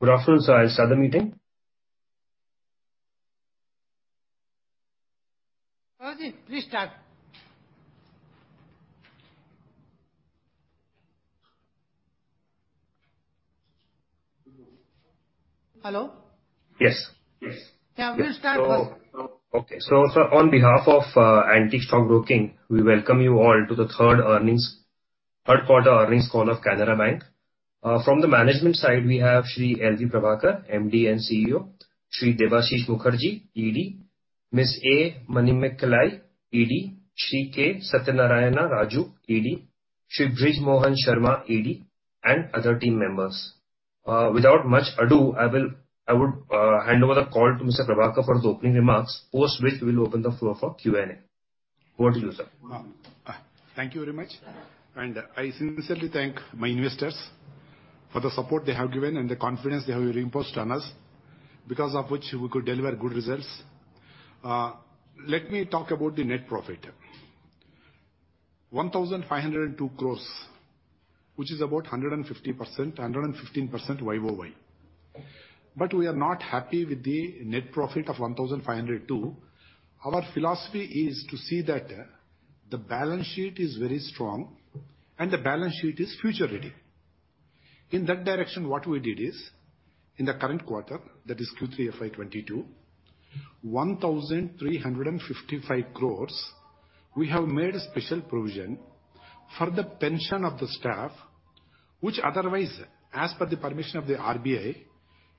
Good afternoon, sir. I'll start the meeting. Rajiv, please start. Hello? Yes. Yeah, please start. On behalf of Antique Stock Broking, we welcome you all to the third quarter earnings call of Canara Bank. From the management side, we have Shri L.V. Prabhakar, MD and CEO, Shri Debashish Mukherjee, ED, Ms. A. Manimekhalai, ED, Shri K. Satyanarayana Raju, ED, Shri Brij Mohan Sharma, ED, and other team members. Without much ado, I would hand over the call to Mr. Prabhakar for his opening remarks, post which we will open the floor for Q&A. Over to you, sir. Thank you very much. I sincerely thank my investors for the support they have given and the confidence they have imposed on us, because of which we could deliver good results. Let me talk about the net profit. 1,502 crore, which is about 150%, 115% Y-o-Y. We are not happy with the net profit of 1,502 crore. Our philosophy is to see that the balance sheet is very strong and the balance sheet is future ready. In that direction, what we did is, in the current quarter, that is Q3 FY 2022, 1,355 crore, we have made a special provision for the pension of the staff, which otherwise, as per the permission of the RBI,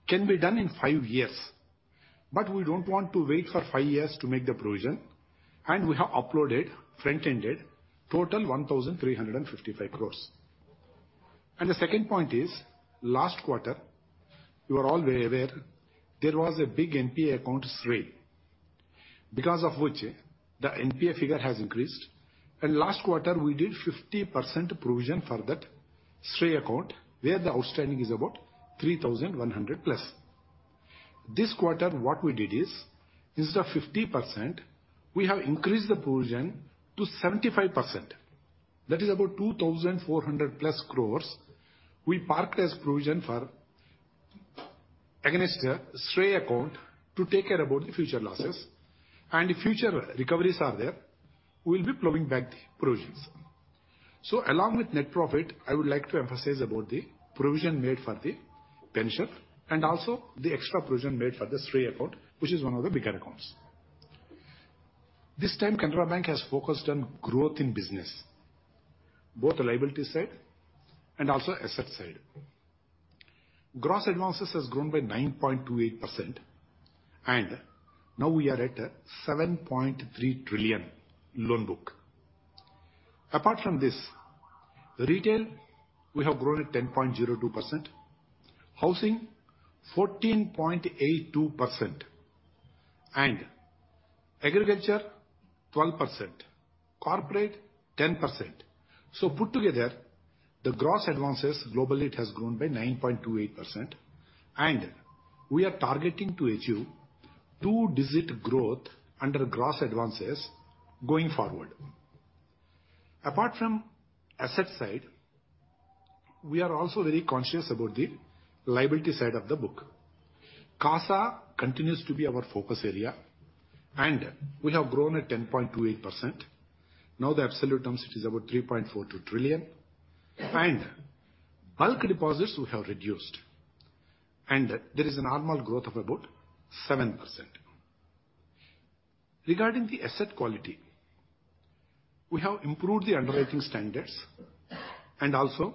can be done in five years. We don't want to wait for five years to make the provision, and we have uploaded, front-ended, total 1,355 crore. The second point is, last quarter, you are all very aware, there was a big NPA account Srei. Because of which the NPA figure has increased. Last quarter, we did 50% provision for that Srei account, where the outstanding is about 3,100+. This quarter, what we did is, instead of 50%, we have increased the provision to 75%. That is about 2,400+ crore we parked as provision against the Srei account to take care about the future losses. If future recoveries are there, we'll be plowing back the provisions. Along with net profit, I would like to emphasize about the provision made for the pension and also the extra provision made for the Srei account, which is one of the bigger accounts. This time, Canara Bank has focused on growth in business, both the liability side and also asset side. Gross advances has grown by 9.28%, and now we are at 7.3 trillion loan book. Apart from this, retail, we have grown at 10.02%, housing, 14.82%, and agriculture, 12%, corporate, 10%. Put together, the gross advances globally, it has grown by 9.28%, and we are targeting to achieve two-digit growth under gross advances going forward. Apart from asset side, we are also very conscious about the liability side of the book. CASA continues to be our focus area, and we have grown at 10.28%. Now, the absolute terms, it is about 3.42 trillion. Bulk deposits we have reduced, and there is a normal growth of about 7%. Regarding the asset quality, we have improved the underwriting standards, and also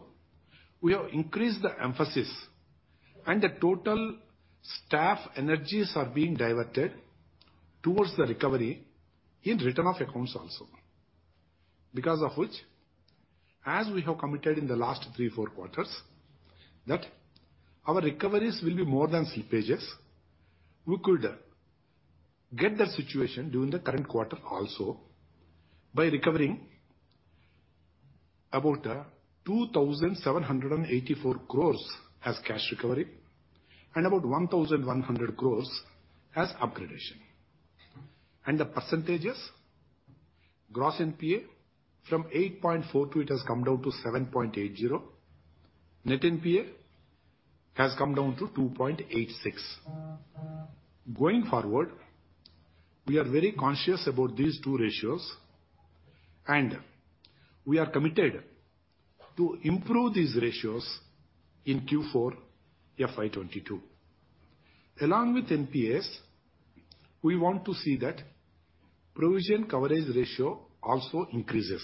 we have increased the emphasis and the total staff energies are being diverted towards the recovery in return of accounts also. Because of which, as we have committed in the last three to four quarters, that our recoveries will be more than slippages. We could get that situation during the current quarter also by recovering about 2,784 crore as cash recovery and about 1,100 crore as upgradation. The percentages, gross NPA from 8.42%, it has come down to 7.80%. Net NPA has come down to 2.86. Going forward, we are very conscious about these two ratios, and we are committed to improve these ratios in Q4 FY 2022. Along with NPAs, we want to see that Provision Coverage Ratio also increases.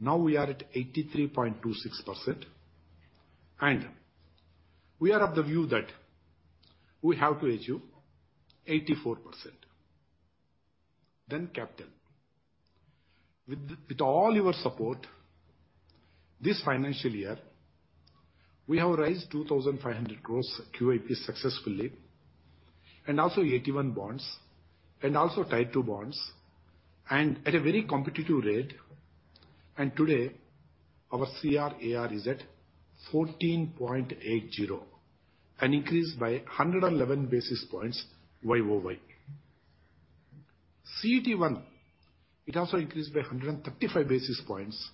Now we are at 83.26%, and we are of the view that we have to achieve 84%. Then capital. With all your support, this financial year, we have raised 2,500 crores QIP successfully, and also AT-1 bonds, and also Tier 2 bonds, and at a very competitive rate. Today, our CRAR is at 14.80, an increase by 111 basis points Y-o-Y. CET1, it also increased by 135 basis points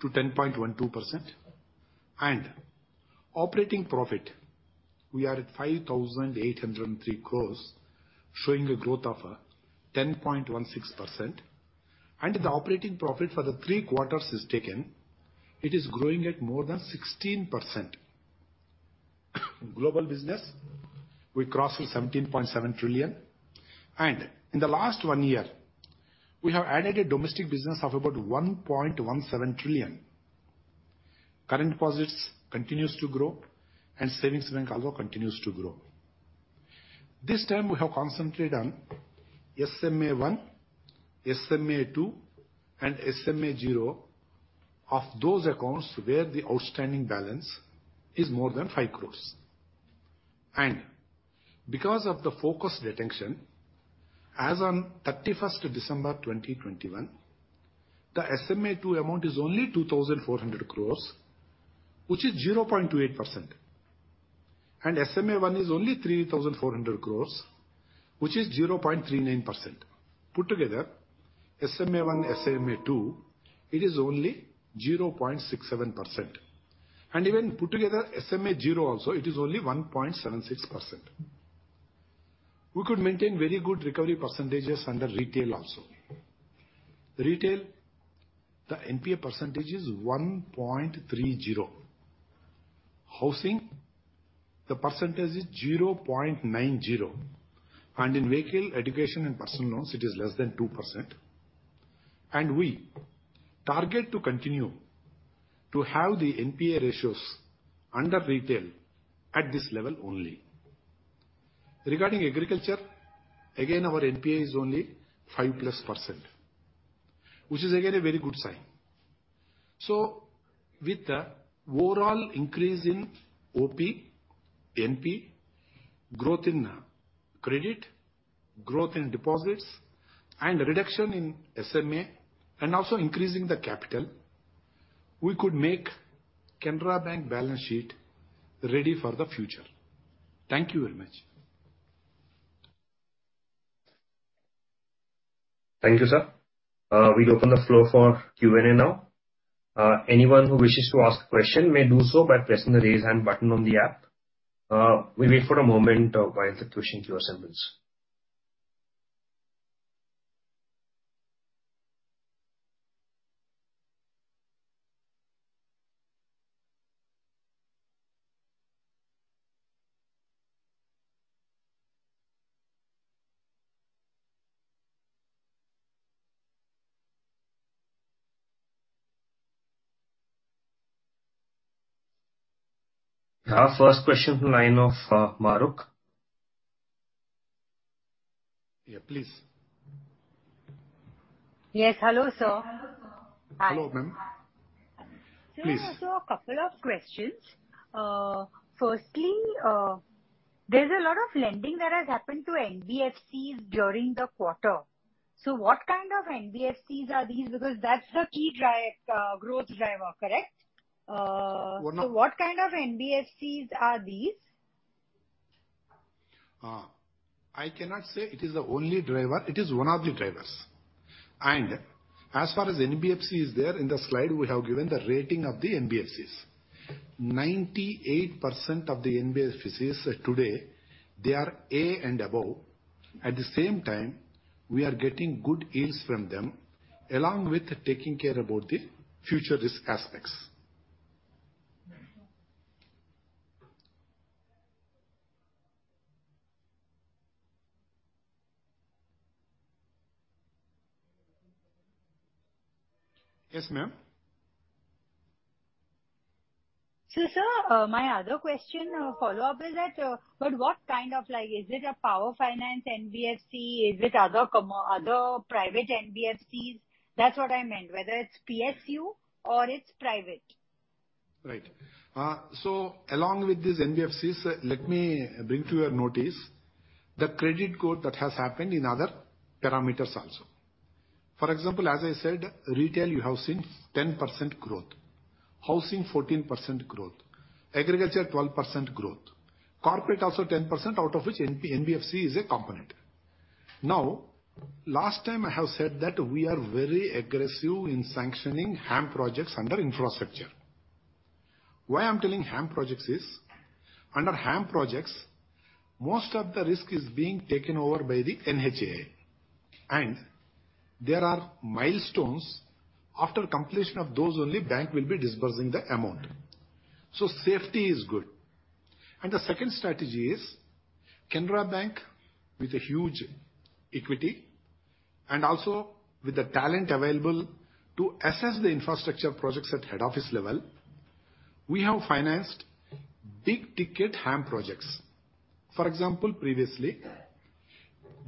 to 10.12%. Operating profit, we are at INR 5,803 crore, showing a growth of 10.16%. The operating profit for the three quarters is taken, it is growing at more than 16%. Global business, we crossed 17.7 trillion. In the last one year, we have added a domestic business of about 1.17 trillion. Current deposits continue to grow, and savings bank also continues to grow. This time we have concentrated on SMA-1, SMA-2, and SMA-0 of those accounts where the outstanding balance is more than 5 crore. Because of the focused attention, as on December 31, 2021, the SMA-2 amount is only 2,400 crore, which is 0.28%. SMA-1 is only 3,400 crore, which is 0.39%. Put together, SMA-1, SMA-2, it is only 0.67%. Even put together SMA-0 also, it is only 1.76%. We could maintain very good recovery percentages under retail also. Retail, the NPA percentage is 1.30%. Housing, the percentage is 0.90%. In vehicle, education and personal loans, it is less than 2%. We target to continue to have the NPA ratios under retail at this level only. Regarding agriculture, again, our NPA is only 5%+, which is again a very good sign. With the overall increase in OP, NP, growth in credit, growth in deposits, and reduction in SMA and also increasing the capital, we could make Canara Bank balance sheet ready for the future. Thank you very much. Thank you, sir. We open the floor for Q&A now. Anyone who wishes to ask a question may do so by pressing the Raise Hand button on the app. We wait for a moment while the question queue assembles. First question from the line of Mahrukh. Yeah, please. Yes. Hello, sir. Hello, ma'am. Sir— Please. A couple of questions. Firstly, there's a lot of lending that has happened to NBFCs during the quarter. What kind of NBFCs are these? Because that's the key driver, growth driver, correct? One of— What kind of NBFCs are these? I cannot say it is the only driver, it is one of the drivers. As far as NBFC is there, in the slide we have given the rating of the NBFCs. 98% of the NBFCs today, they are A and above. At the same time, we are getting good yields from them, along with taking care about the future risk aspects. Yes, ma'am. Sir, my other question or follow-up is that, but what kind of like is it a power finance NBFC? Is it other private NBFCs? That's what I meant, whether it's PSU or it's private. Right. Along with these NBFCs, let me bring to your notice the credit growth that has happened in other parameters also. For example, as I said, retail, you have seen 10% growth. Housing, 14% growth. Agriculture, 12% growth. Corporate also 10%, out of which NBFC is a component. Now, last time I have said that we are very aggressive in sanctioning HAM projects under infrastructure. Why I'm telling HAM projects is, under HAM projects, most of the risk is being taken over by the NHAI. There are milestones, after completion of those, only bank will be disbursing the amount. Safety is good. The second strategy is Canara Bank, with a huge equity, and also with the talent available to assess the infrastructure projects at head office level, we have financed big-ticket HAM projects. For example, previously,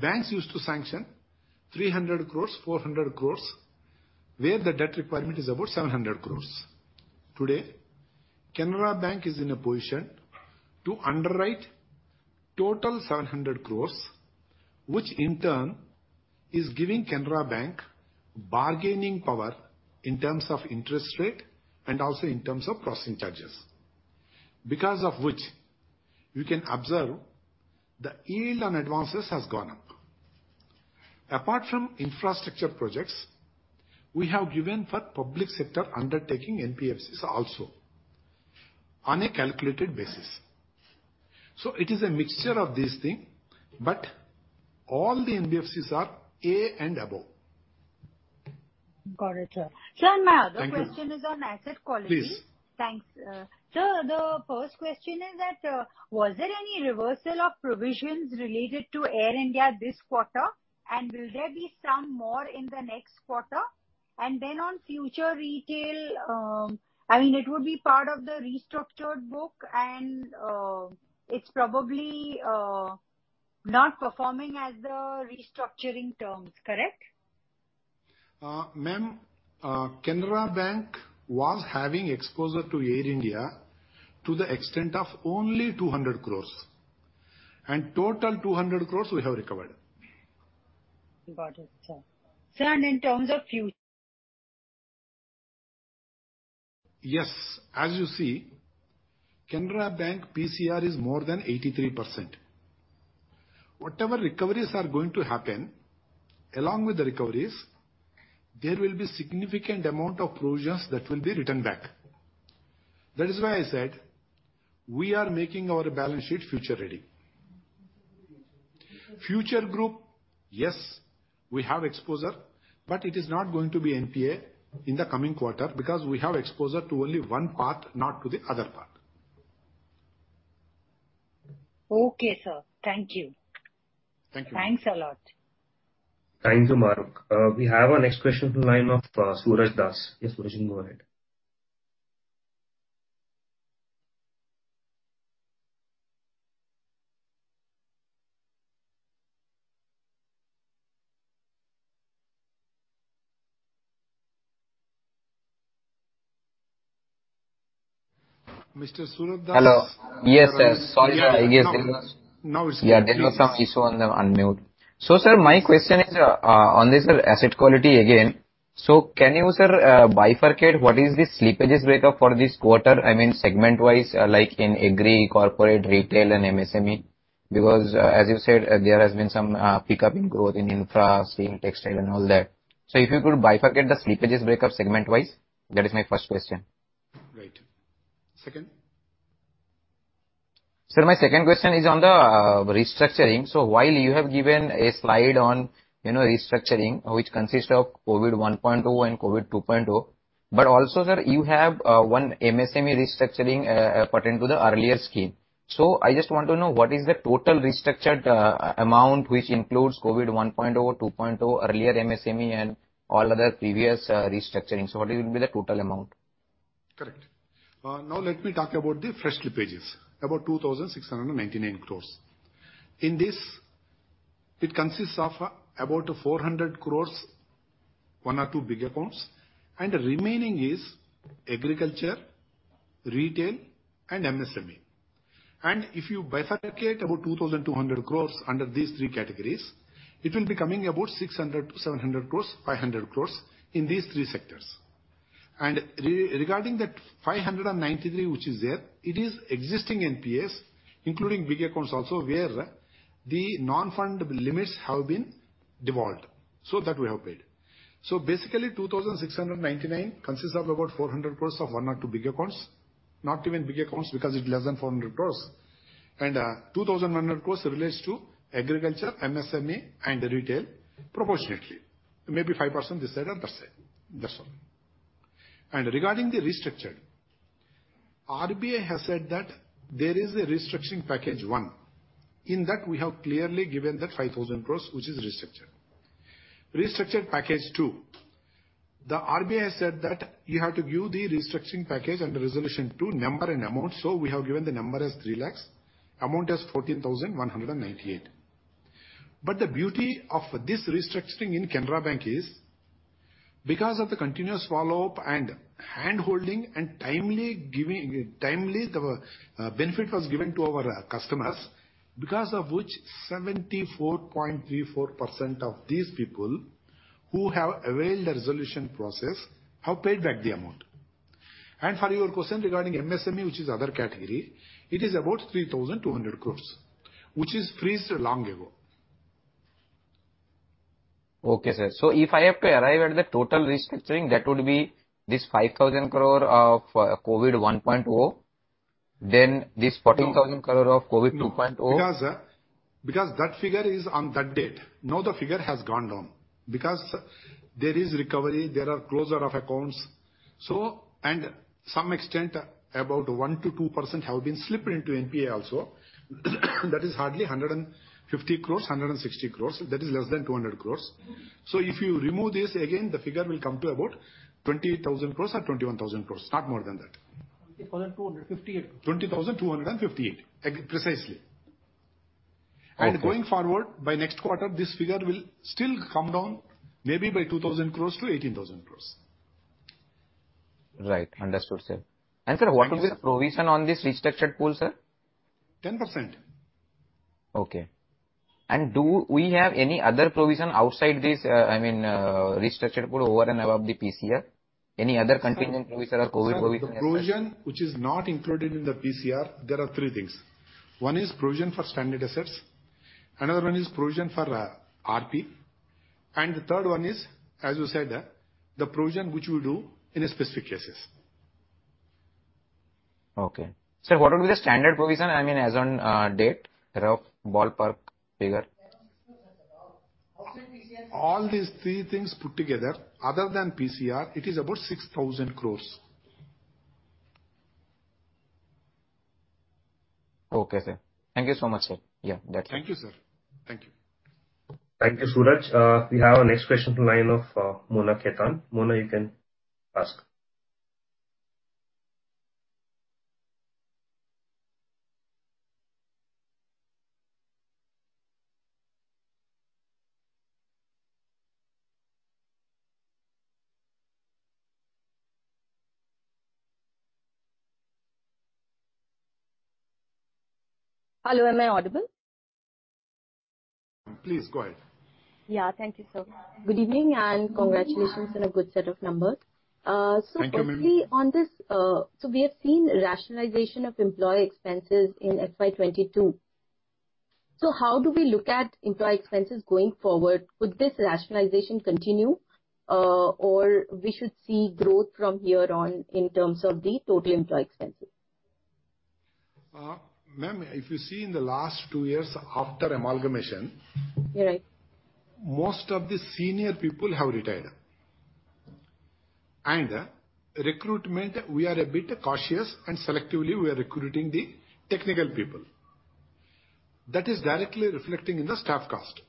banks used to sanction 300 crore, 400 crore, where the debt requirement is about 700 crore. Today, Canara Bank is in a position to underwrite total 700 crore, which in turn is giving Canara Bank bargaining power in terms of interest rate and also in terms of processing charges. Because of which, you can observe the yield on advances has gone up. Apart from infrastructure projects, we have given for public sector undertaking NBFCs also on a calculated basis. It is a mixture of these things, but all the NBFCs are A and above. Got it, sir. Thank you. Sir, my other question is on asset quality. Please. Thanks. Sir, the first question is that, was there any reversal of provisions related to Air India this quarter and will there be some more in the next quarter? On Future Retail, I mean it would be part of the restructured book and, it's probably, not performing as the restructuring terms. Correct? Ma'am, Canara Bank was having exposure to Air India to the extent of only 200 crore. Total 200 crore we have recovered. Got it, sir. Sir, in terms of future— Yes. As you see, Canara Bank PCR is more than 83%. Whatever recoveries are going to happen, along with the recoveries, there will be significant amount of provisions that will be returned back. That is why I said we are making our balance sheet future ready. Future Group, yes, we have exposure, but it is not going to be NPA in the coming quarter because we have exposure to only one part, not to the other part. Okay, sir. Thank you. Thank you. Thanks a lot. Thank you, Mahrukh. We have our next question from the line of Suraj Das. Yes, Suraj, go ahead. Mr. Suraj Das. Hello. Yes, sir. Sorry for the inconvenience. Now it's clear. Yeah, there was some issue on the unmute. Sir, my question is on this asset quality again. Can you, sir, bifurcate what is the slippages break up for this quarter, I mean, segment-wise, like in agri, corporate, retail, and MSME? Because, as you said, there has been some pickup in growth in infra, steel, textile and all that. If you could bifurcate the slippages break up segment-wise. That is my first question. Right. Second. Sir, my second question is on the restructuring. While you have given a slide on, you know, restructuring, which consists of COVID 1.0 and COVID 2.0, but also, sir, you have one MSME restructuring pertinent to the earlier scheme. I just want to know, what is the total restructured amount, which includes COVID 1.0, 2.0, earlier MSME and all other previous restructurings. What will be the total amount? Correct. Now let me talk about the fresh slippages, about 2,699 crore. In this, it consists of about 400 crore, one or two big accounts, and the remaining is agriculture, retail, and MSME. If you bifurcate about 2,200 crore under these three categories, it will be coming about 600-700 crore, 500 crore in these three sectors. Regarding that 593, which is there, it is existing NPAs, including big accounts also, where the non-fund based limits have been devolved. That we have paid. Basically, 2,699 consists of about 400 crore of one or two big accounts, not even big accounts because it's less than 400 crore. 2,100 crore relates to agriculture, MSME, and retail proportionately. Maybe 5% this side or that side. That's all. Regarding the restructuring, RBI has said that there is a restructuring package one. In that, we have clearly given that 5,000 crore, which is restructured. Restructured package two. RBI said that you have to give the restructuring package and resolution to number and amount. We have given the number as 3 lakh, amount as 14,198. But the beauty of this restructuring in Canara Bank is because of the continuous follow-up and hand-holding and timely giving, timely benefit was given to our customers, because of which 74.34% of these people who have availed the resolution process have paid back the amount. For your question regarding MSME, which is other category, it is about 3,200 crore, which is frozen long ago. Okay, sir. If I have to arrive at the total restructuring, that would be this 5,000 crore of COVID 1.0, then this— No. 14,000 crore of COVID 2.0. No. That figure is on that date. Now the figure has gone down. There is recovery, there are closure of accounts. To some extent, about 1%-2% have been slipped into NPA also. That is hardly 150 crore, 160 crore. That is less than 200 crore. If you remove this again, the figure will come to about 20,000 crore or 21,000 crore, not more than that. 20,258. 20,258, precisely. Okay. Going forward, by next quarter, this figure will still come down maybe by 2,000 crores to 18,000 crores. Right. Understood, sir. Sir— Thank you, Suraj. What will be the provision on this restructured pool, sir? 10%. Okay. Do we have any other provision outside this, I mean, restructured pool over and above the PCR? Any other contingent provision or COVID provision? Sir, the provision which is not included in the PCR, there are three things. One is provision for standard assets, another one is provision for RP, and the third one is, as you said, the provision which we do in specific cases. Okay. What would be the standard provision, I mean, as on date, rough ballpark figure? All these three things put together, other than PCR, it is about 6,000 crore. Okay, sir. Thank you so much, sir. Yeah, that's it. Thank you, sir. Thank you. Thank you, Suraj. We have our next question from the line of Mona Khetan. Mona, you can ask. Hello, am I audible? Please go ahead. Thank you, sir. Good evening, and congratulations on a good set of numbers. Quickly— Thank you, ma'am. On this, we have seen rationalization of employee expenses in FY 2022. How do we look at employee expenses going forward? Would this rationalization continue, or we should see growth from here on in terms of the total employee expenses? Ma'am, if you see in the last two years after amalgamation. Right. Most of the senior people have retired. Recruitment, we are a bit cautious, and selectively we are recruiting the technical people. That is directly reflecting in the staff cost,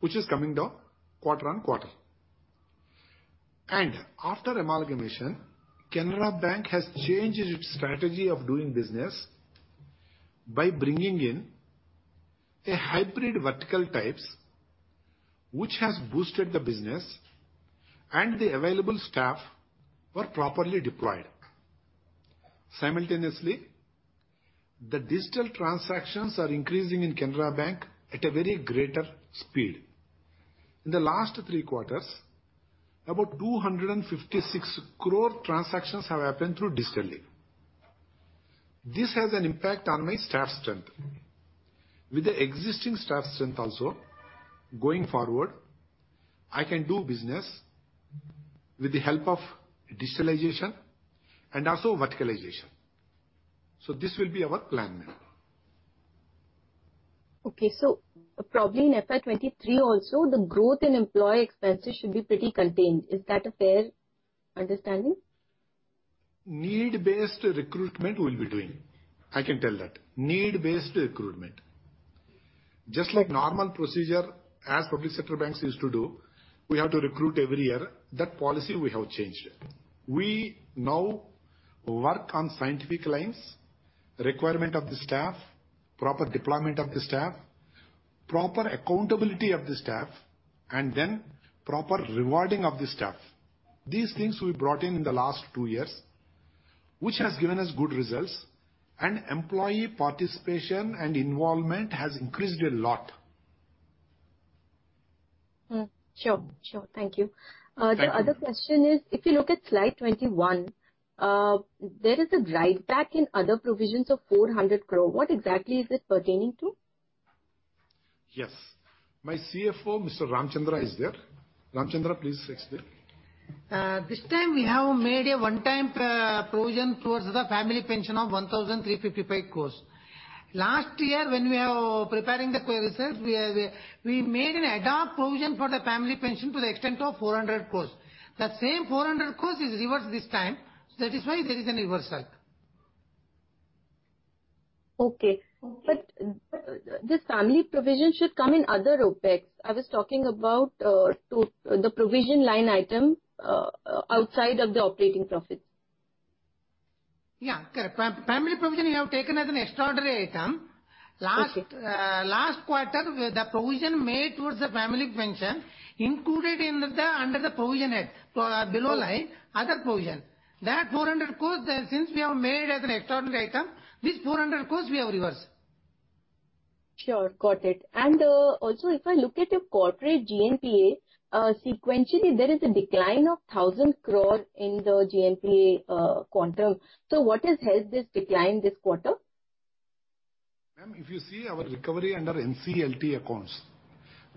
which is coming down quarter-on-quarter. After amalgamation, Canara Bank has changed its strategy of doing business by bringing in a hybrid vertical types, which has boosted the business, and the available staff were properly deployed. Simultaneously, the digital transactions are increasing in Canara Bank at a very great speed. In the last three quarters, about 256 crore transactions have happened through digital. This has an impact on my staff strength. With the existing staff strength also, going forward, I can do business with the help of digitalization and also verticalization. This will be our plan now. Okay. Probably in FY 2023 also, the growth in employee expenses should be pretty contained. Is that a fair understanding? Need-based recruitment we'll be doing, I can tell that. Just like normal procedure, as public sector banks used to do, we have to recruit every year. That policy we have changed. We now work on scientific lines, requirement of the staff, proper deployment of the staff, proper accountability of the staff, and then proper rewarding of the staff. These things we brought in the last two years, which has given us good results, and employee participation and involvement has increased a lot. Sure. Thank you. Thank you. The other question is, if you look at slide 21, there is a write back in other provisions of 400 crore. What exactly is this pertaining to? Yes. My CFO, Mr. Ramchandra, is there. Ramchandra, please explain. This time we have made a one-time provision towards the family pension of 1,355 crore. Last year, when we are preparing the results, we made an ad hoc provision for the family pension to the extent of 400 crore. The same 400 crore is reversed this time. That is why there is a reversal. This family provision should come in other OpEx. I was talking about the provision line item outside of the operating profits. Yeah. Correct. Family provision, we have taken as an extraordinary item. Okay. Last quarter, the provision made towards the family pension included in the, under the provision head, below line other provision. That 400 crore, since we have made as an extraordinary item, this 400 crore we have reversed. Sure. Got it. Also, if I look at your corporate GNPA, sequentially, there is a decline of 1,000 crore in the GNPA quantum. What has helped this decline this quarter? Ma'am, if you see our recovery under NCLT accounts,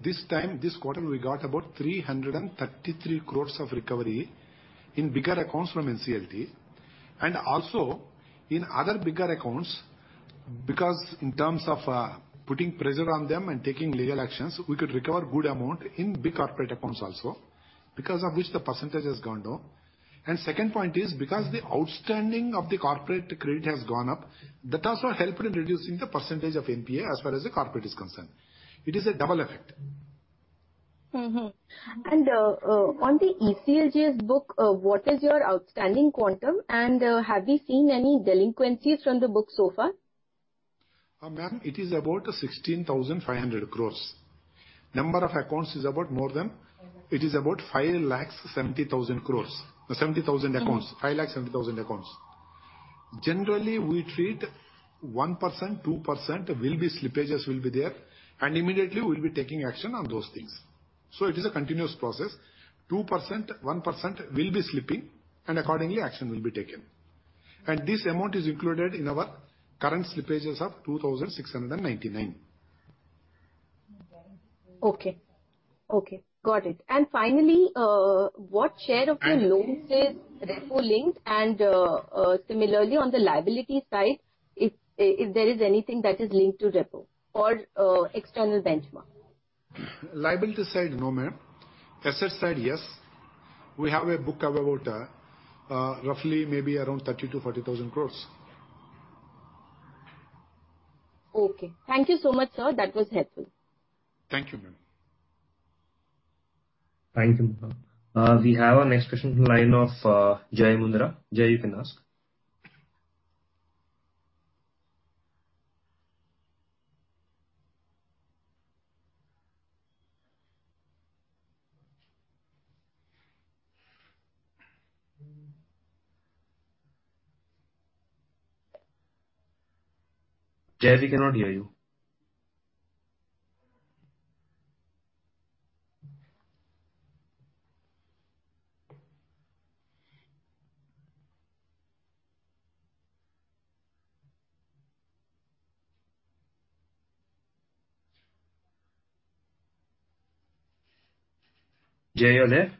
this time, this quarter, we got about 333 crore of recovery in bigger accounts from NCLT. Also in other bigger accounts, because in terms of putting pressure on them and taking legal actions, we could recover good amount in big corporate accounts also, because of which the percentage has gone down. Second point is because the outstanding of the corporate credit has gone up, that has also helped in reducing the percentage of NPA as far as the corporate is concerned. It is a double effect. On the ECLGS book, what is your outstanding quantum, and have you seen any delinquencies from the book so far? Ma'am, it is about 16,500 crore. It is about 570,000 crore. 70,000 accounts. 570,000 accounts. Generally, we treat 1%, 2% will be slippages there, and immediately we'll be taking action on those things. It is a continuous process. 2%, 1% will be slipping, and accordingly, action will be taken. This amount is included in our current slippages of 2,699. Okay. Got it. Finally, what share of the loans? It is repo-linked, and similarly on the liability side, if there is anything that is linked to repo or external benchmark. Liability side, no, ma'am. Asset side, yes. We have a book cover about, roughly maybe around INR 30,000 crore-INR 40,000 crore. Okay. Thank you so much, sir. That was helpful. Thank you, ma'am. Thank you. We have our next question from line of Jai Mundra. Jai, you can ask. Jai, we cannot hear you. Jai, are you there?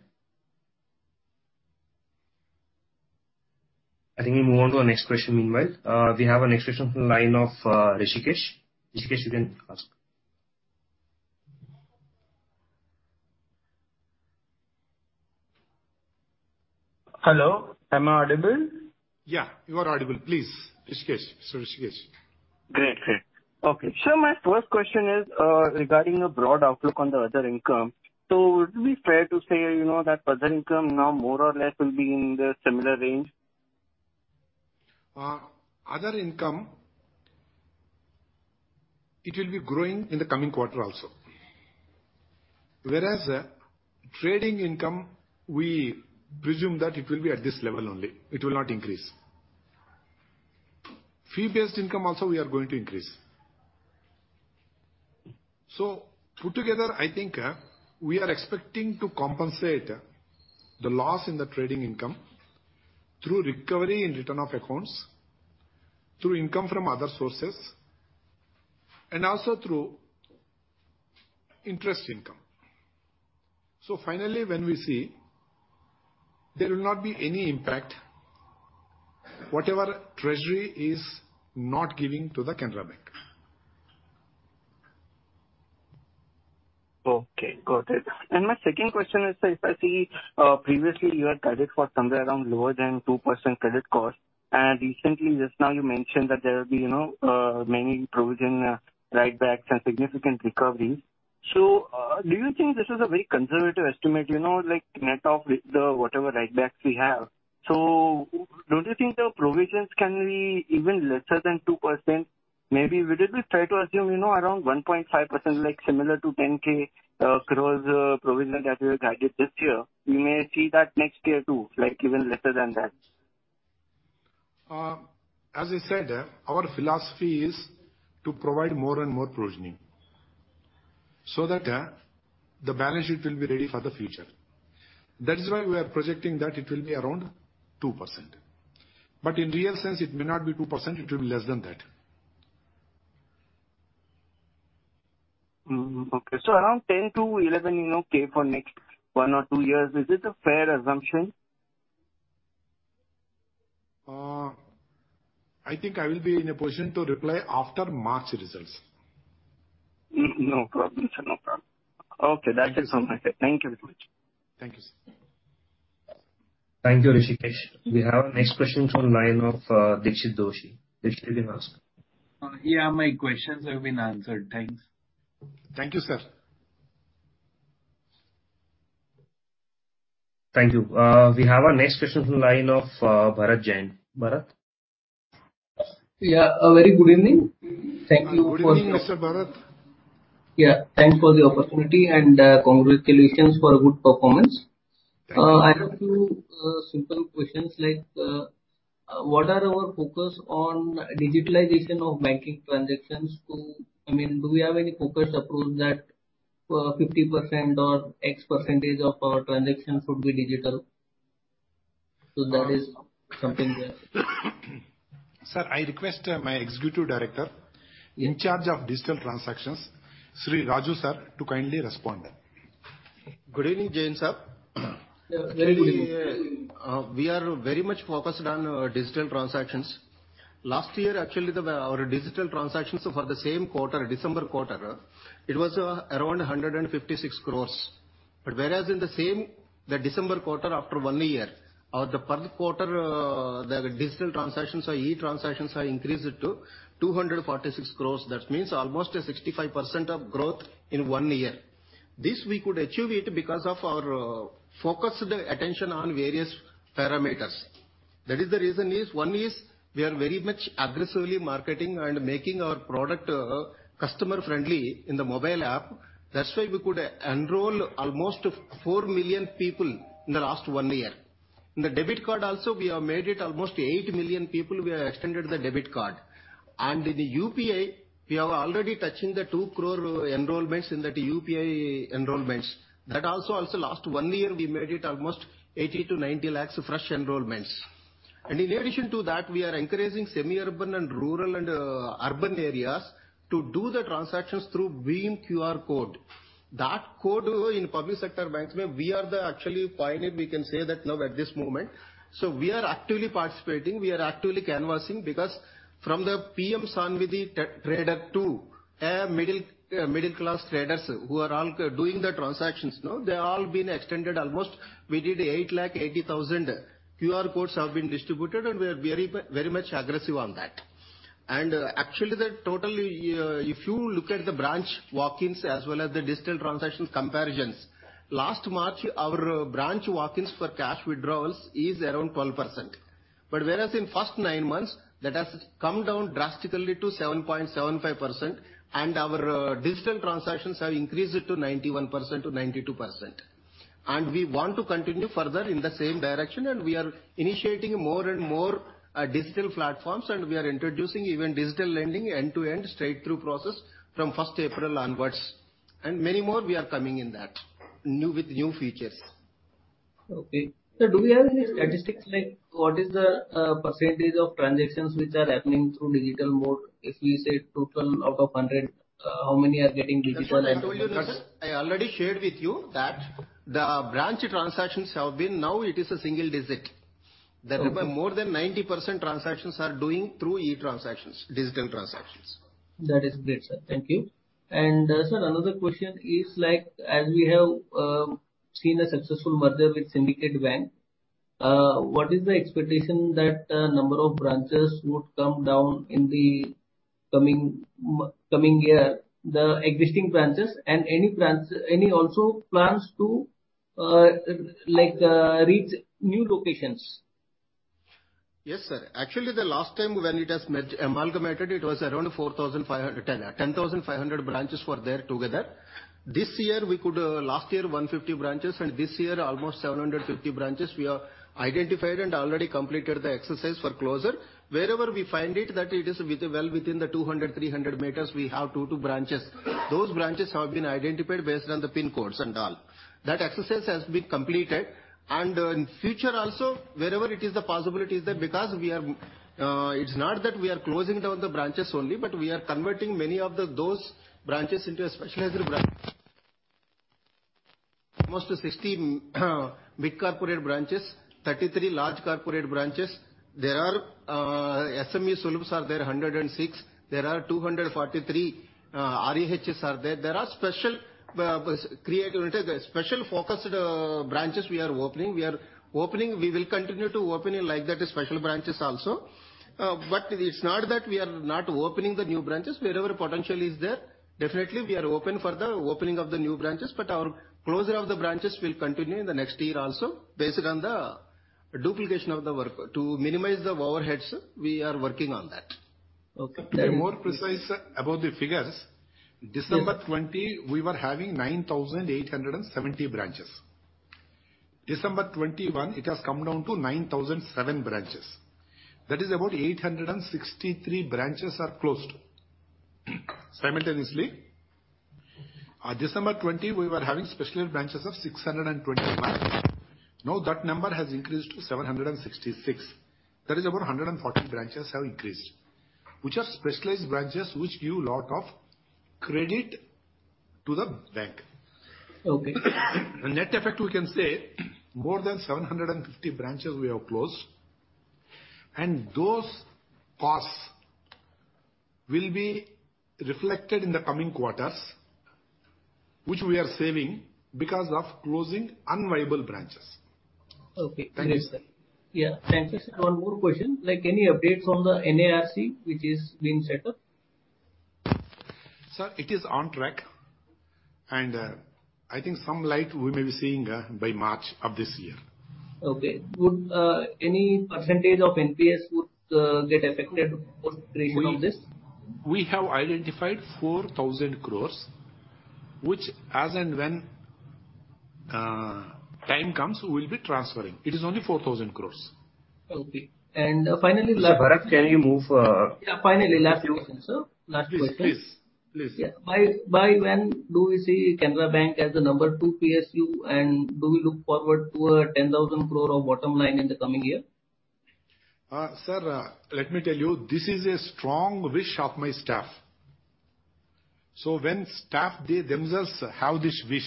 I think we move on to the next question meanwhile. We have our next question from the line of Hrishikesh. Hrishikesh, you can ask. Hello, am I audible? Yeah, you are audible. Please, Hrishikesh. Hrishikesh. Great, great. Okay. Sir, my first question is, regarding the broad outlook on the other income. Would it be fair to say, you know, that other income now more or less will be in the similar range? Other income, it will be growing in the coming quarter also. Whereas trading income, we presume that it will be at this level only. It will not increase. Fee-based income also we are going to increase. Put together, I think, we are expecting to compensate the loss in the trading income through recovery in return of accounts, through income from other sources, and also through interest income. Finally when we see, there will not be any impact, whatever treasury is not giving to the Canara Bank. Okay, got it. My second question is, sir, if I see, previously you had guided for somewhere around lower than 2% credit cost, and recently just now you mentioned that there will be, you know, many provision write-backs and significant recoveries. Do you think this is a very conservative estimate, you know, like net of the whatever write-backs we have? Don't you think the provisions can be even lesser than 2%? Maybe we could just try to assume, you know, around 1.5%, like similar to 10,000 crores provision that we were guided this year. We may see that next year too, like even lesser than that. As I said, our philosophy is to provide more and more provisioning so that the balance sheet will be ready for the future. That is why we are projecting that it will be around 2%. In real sense it may not be 2%, it will be less than that. Okay. Around 10-11, you know, K for next one or two years, is it a fair assumption? I think I will be in a position to reply after March results. No problem, sir. No problem. Okay. Thank you. That is all my side. Thank you very much. Thank you, sir. Thank you, Hrishikesh. We have our next question from line of Dixit Doshi. Dixit, you can ask. Yeah, my questions have been answered. Thanks. Thank you, sir. Thank you. We have our next question from the line of Bharat Jain. Bharat? Yeah. A very good evening. Thank you for. Good evening, Mr. Bharat. Yeah. Thanks for the opportunity and congratulations for a good performance. Thank you. I have two simple questions, like, what are our focus on digitalization of banking transactions? I mean, do we have any focus approach that, 50% or X percentage of our transactions should be digital? That is something there. Sir, I request my executive director in charge of digital transactions, Mr. Raju sir, to kindly respond. Good evening, Jain sir. Good evening. We are very much focused on digital transactions. Last year, actually, our digital transactions for the same quarter, December quarter, it was around 156 crore. Whereas in the December quarter after one year, the digital transactions or e-transactions increased to 246 crore. That means almost 65% growth in one year. This we could achieve it because of our focused attention on various parameters. That is the reason, one is we are very much aggressively marketing and making our product customer friendly in the mobile app. That's why we could enroll almost 4 million people in the last one year. In the debit card also, we have extended the debit card to almost 8 million people. In the UPI, we are already touching 2 crore enrollments in that UPI enrollments. That also last one year, we made almost 80-90 lakhs fresh enrollments. In addition to that, we are encouraging semi-urban and rural and urban areas to do the transactions through BHIM QR code. That code in public sector banks, we are actually the pioneer, we can say that now at this moment. We are actively participating, we are actively canvassing because from the PM SVANidhi traders to middle class traders who are all doing the transactions now, they all been extended almost. We did 8 lakh 80,000 QR codes have been distributed, and we are very much aggressive on that. Actually, the total, if you look at the branch walk-ins as well as the digital transaction comparisons, last March, our branch walk-ins for cash withdrawals is around 12%. Whereas in first nine months, that has come down drastically to 7.75%, and our digital transactions have increased to 91%-92%. We want to continue further in the same direction, and we are initiating more and more digital platforms, and we are introducing even digital lending End-to-End Straight hrough process from first April onwards. Many more we are coming in that, new with new features. Okay. Sir, do we have any statistics like what is the percentage of transactions which are happening through digital mode? If we say total out of 100, how many are getting digital and— I told you, sir. I already shared with you that the branch transactions have been now it is a single digit. Okay. That is why more than 90% transactions are done through e-transactions, digital transactions. That is great, sir. Thank you. Sir, another question is like, as we have seen a successful merger with Syndicate Bank, what is the expectation that number of branches would come down in the coming year, the existing branches, and any plans to also like reach new locations? Yes, sir. Actually, the last time when it has amalgamated, it was around 10,500 branches were there together. This year, we could, last year 150 branches, and this year almost 750 branches we have identified and already completed the exercise for closure. Wherever we find it, that it is with, well within the 200, 300 meters we have two branches. Those branches have been identified based on the pin codes and all. That exercise has been completed. In future also, wherever it is the possibility is there because we have, it's not that we are closing down the branches only, but we are converting many of those branches into a specialized branch. Almost 60 big corporate branches, 33 large corporate branches. There are SME Sulabhs, 106. There are 243 RAHs. There are special created special focused branches we are opening. We will continue to open it like that, special branches also. It's not that we are not opening the new branches. Wherever potential is there, definitely we are open for the opening of the new branches, but our closure of the branches will continue in the next year also based on the duplication of the work. To minimize the overheads, we are working on that. Okay. To be more precise about the figures. Yes. December 2020, we were having 9,870 branches. December 2021, it has come down to 9,007 branches. That is about 863 branches are closed. Simultaneously, December 2020, we were having specialized branches of 625. Now that number has increased to 766. That is about 140 branches have increased, which are specialized branches which give lot of credit to the bank. Okay. Net effect, we can say, more than 750 branches we have closed, and those costs will be reflected in the coming quarters, which we are saving because of closing unviable branches. Okay. Thank you sir. Yes. One more question. Like, any update from the NARCL which is being set up? Sir, it is on track. I think some light we may be seeing by March of this year. Okay. Would any percentage of NPS get affected or ratio of this? We have identified 4,000 crore, which as and when time comes, we'll be transferring. It is only 4,000 crore. Okay. Finally, last. Bharat, can you move? Yeah, finally, last question, sir. Please. Yeah. By when do we see Canara Bank as the number 2 PSU, and do we look forward to 10,000 crore of bottom line in the coming year? Sir, let me tell you, this is a strong wish of my staff. When staff they themselves have this wish,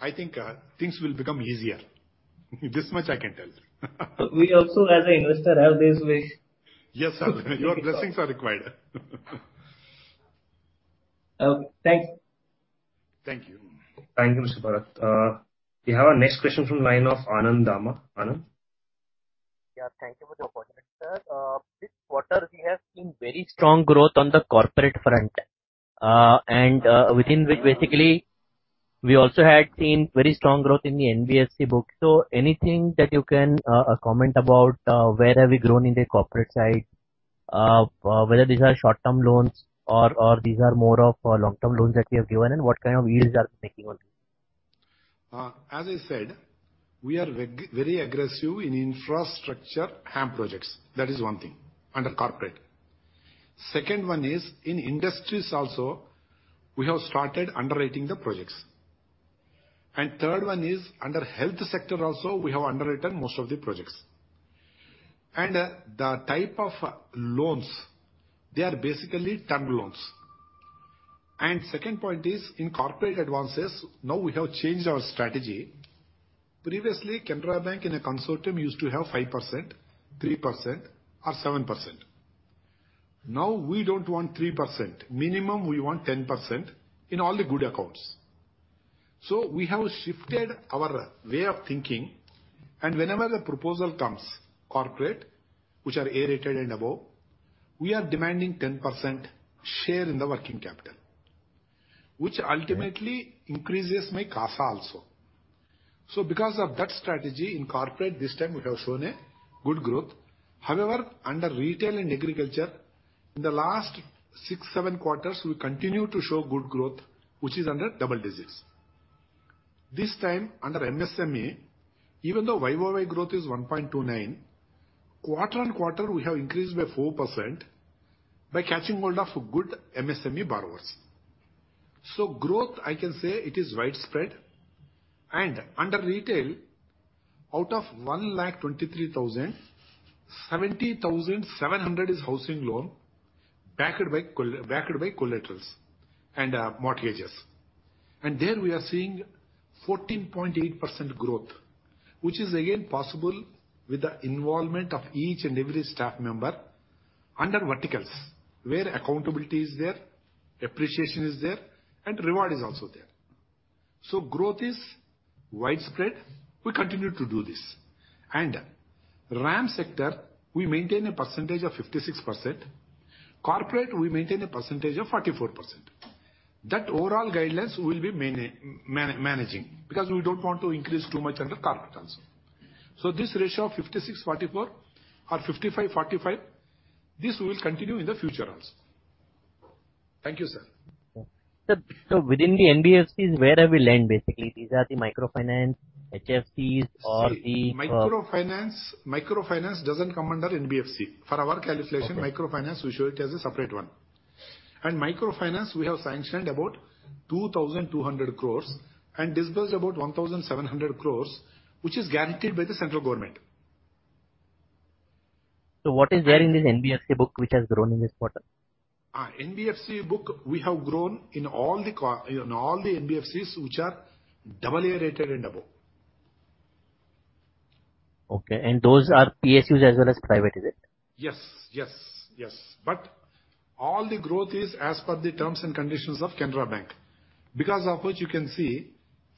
I think, things will become easier. This much I can tell you. We also as an investor have this wish. Yes, sir. Your blessings are required. Okay. Thanks. Thank you. Thank you, Mr. Bharat. We have our next question from line of Anand Dama. Anand? Yeah, thank you for the opportunity. Sir, this quarter we have seen very strong growth on the corporate front, and within which basically we also had seen very strong growth in the NBFC book. Anything that you can comment about, where have we grown in the corporate side? Whether these are short-term loans or these are more of long-term loans that you have given, and what kind of yields you are making on them. As I said, we are very aggressive in infrastructure and projects. That is one thing under corporate. Second one is in industries also, we have started underwriting the projects. Third one is under health sector also, we have underwritten most of the projects. The type of loans, they are basically term loans. Second point is in corporate advances, now we have changed our strategy. Previously, Canara Bank in a consortium used to have 5%, 3% or 7%. Now we don't want 3%. Minimum we want 10% in all the good accounts. We have shifted our way of thinking, and whenever the proposal comes corporate, which are A-rated and above, we are demanding 10% share in the working capital, which ultimately increases my CASA also. Because of that strategy in corporate, this time we have shown a good growth. However, under retail and agriculture, in the last six to seven quarters, we continue to show good growth, which is under double digits. This time under MSME, even though YOY growth is 1.29%, quarter-on-quarter we have increased by 4% by catching hold of good MSME borrowers. Growth, I can say it is widespread. Under retail, out of 1 lakh 23,000, 70,700 is housing loan, backed by collaterals and mortgages. There we are seeing 14.8% growth, which is again possible with the involvement of each and every staff member under verticals where accountability is there, appreciation is there, and reward is also there. Growth is widespread. We continue to do this. RAM sector, we maintain a percentage of 56%. Corporate, we maintain a percentage of 44%. That overall guidelines we will be managing, because we don't want to increase too much under corporate also. This ratio of 56, 44 or 55, 45, this will continue in the future also. Thank you, sir. Sir, within the NBFCs, where have we lent basically? These are the microfinance, HFCs or the— See, microfinance doesn't come under NBFC. For our calculation in microfinance, we show it as a separate one. Microfinance, we have sanctioned about 2,200 crore and disbursed about 1,700 crore, which is guaranteed by the central government. What is there in this NBFC book which has grown in this quarter? NBFC book we have grown in all the NBFCs which are double A-rated and above. Okay. Those are PSUs as well as private, is it? Yes. Yes. Yes. All the growth is as per the terms and conditions of Canara Bank. Because of which you can see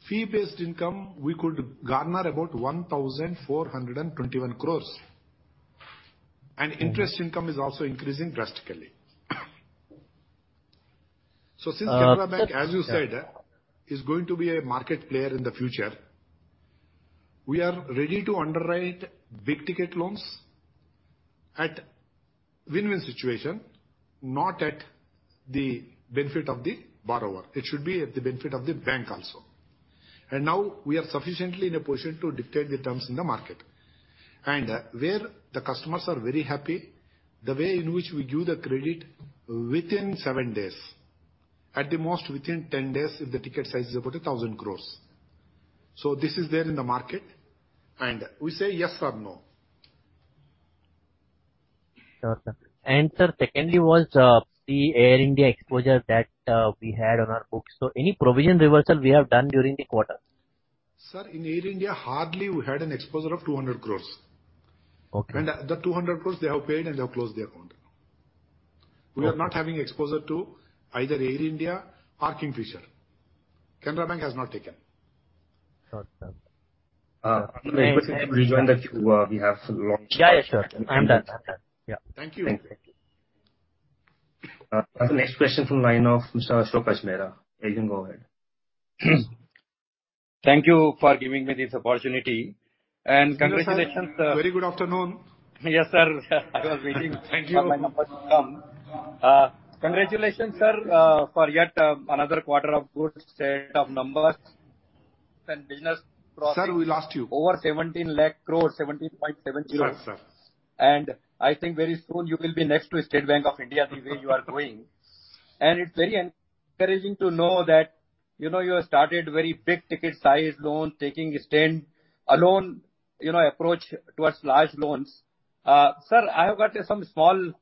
fee-based income. We could garner about 1,421 crore. Interest income is also increasing drastically. Since Canara Bank, as you said, is going to be a market player in the future. We are ready to underwrite big-ticket loans at win-win situation, not at the benefit of the borrower. It should be at the benefit of the bank also. Now we are sufficiently in a position to dictate the terms in the market. Where the customers are very happy, the way in which we give the credit within seven days, at the most within 10 days if the ticket size is about 1,000 crore. This is there in the market, and we say yes or no. Sure, sir. Sir, secondly, the Air India exposure that we had on our books. Any provision reversal we have done during the quarter? Sir, in Air India, hardly we had an exposure of 200 crores. Okay. The 200 crores they have paid and they have closed their account. Okay. We are not having exposure to either Air India or Kingfisher. Canara Bank has not taken. Got it, sir. If you could please join the queue, we have long queue. Yeah, yeah, sure. I'm done. Yeah. Thank you. Thank you. The next question from line of Mr. Ashok Ajmera. You can go ahead. Thank you for giving me this opportunity. Congratulations. Very good afternoon. Yes, sir. I was waiting. Thank you. for my number to come. Congratulations, sir, for yet another quarter of good set of numbers and business process— Sir, we lost you. Over 1,700,000 crore, 17.7 crore. Yes, sir. I think very soon you will be next to State Bank of India, the way you are growing. It's very encouraging to know that, you know, you have started very big ticket size loan taking a stand alone, you know, approach towards large loans. Sir, I have got some small,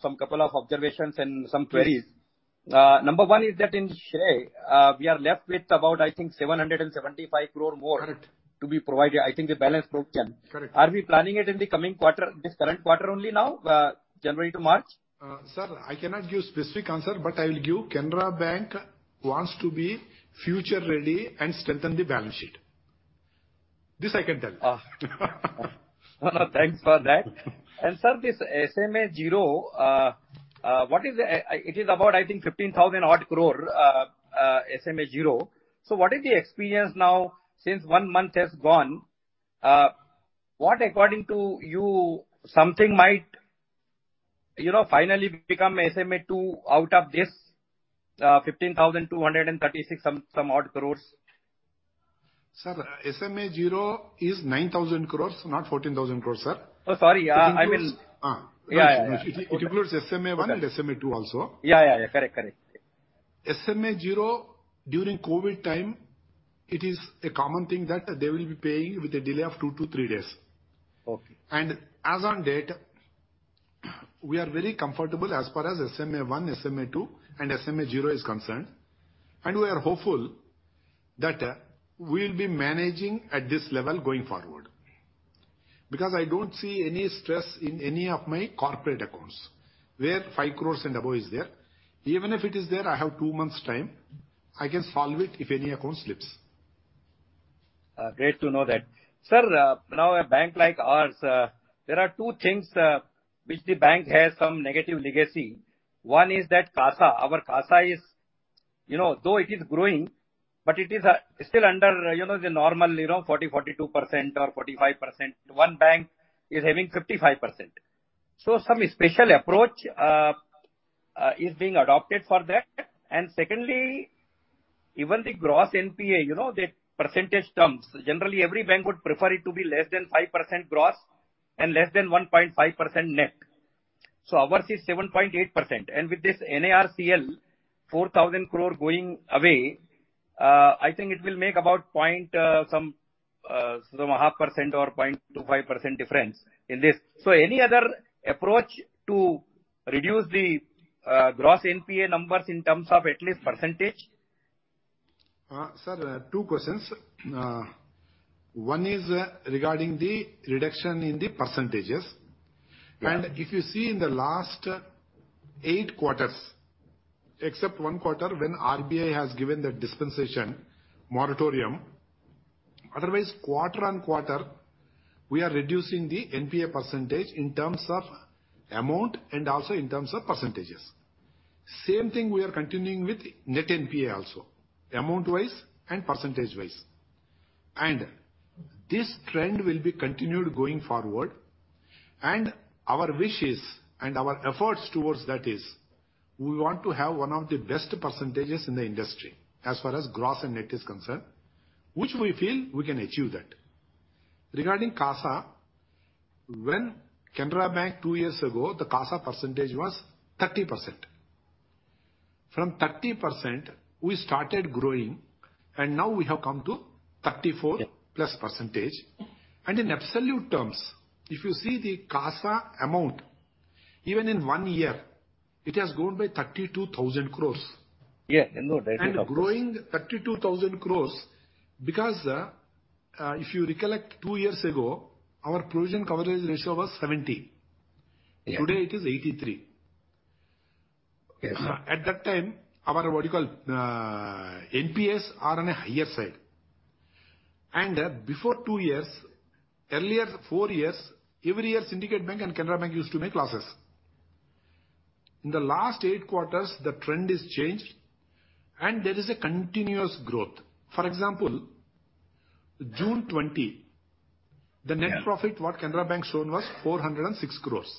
some couple of observations and some queries. Please. Number one is that in Srei, we are left with about, I think, 775 crore more. Correct. To be provided. I think the balance loan can. Correct. Are we planning it in the coming quarter, this current quarter only now, January to March? Sir, I cannot give specific answer, but I will give Canara Bank wants to be future ready and strengthen the balance sheet. This I can tell you. No, no, thanks for that. Sir, this SMA-0 is about, I think, 15,000 odd crore, SMA-0. What is the experience now since one month has gone? What according to you something might, you know, finally become SMA-2 out of this 15,236 some odd crores. Sir, SMA-0 is 9,000 crore, not 14,000 crore, sir. Oh, sorry. Yeah, I missed. Yeah, It includes SMA-1 and SMA-2 also. Yeah, yeah. Correct, correct. SMA-0 during COVID time, it is a common thing that they will be paying with a delay of two to three days. Okay. As on date, we are very comfortable as far as SMA-1, SMA-2, and SMA-0 is concerned, and we are hopeful that we'll be managing at this level going forward. Because I don't see any stress in any of my corporate accounts where 5 crore and above is there. Even if it is there, I have two months' time, I can solve it if any account slips. Great to know that. Sir, now a bank like ours, there are two things, which the bank has some negative legacy. One is that CASA. Our CASA is, you know, though it is growing, but it is still under, you know, the normal, you know, 42% or 45%. One bank is having 55%. Some special approach is being adopted for that. Secondly, even the gross NPA, you know, the percentage terms, generally every bank would prefer it to be less than 5% gross and less than 1.5% net. Ours is 7.8%. With this NARCL 4,000 crore going away, I think it will make about 0.5% or 0.25% difference in this. Any other approach to reduce the gross NPA numbers in terms of at least percentage? Sir, two questions. One is regarding the reduction in the percentages. Yeah. If you see in the last eight quarters, except one quarter when RBI has given the dispensation moratorium, otherwise quarter-on-quarter we are reducing the NPA percentage in terms of amount and also in terms of percentages. Same thing we are continuing with net NPA also, amount wise and percentage wise. This trend will be continued going forward. Our wish is, and our efforts towards that is, we want to have one of the best percentages in the industry as far as gross and net is concerned, which we feel we can achieve that. Regarding CASA, when Canara Bank two years ago, the CASA percentage was 30%. From 30%, we started growing and now we have come to 34 + percentage. In absolute terms, if you see the CASA amount, even in one year, it has grown by 32,000 crore. Yeah. I know that, of course. Growing 32,000 crores because if you recollect two years ago, our Provision Coverage Ratio was 70%. Yeah. Today it is 83. Okay. At that time, our NPAs are on a higher side. Before two years, earlier four years, every year Syndicate Bank and Canara Bank used to make losses. In the last eight quarters, the trend is changed and there is a continuous growth. For example, June twenty- Yeah. The net profit what Canara Bank shown was 406 crores.